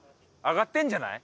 上がってんじゃない？